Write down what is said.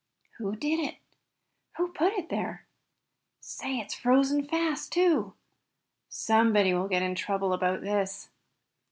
"Who did it?" "Who put it there?" "Say, it's frozen fast, too!" "Somebody will get into trouble about this."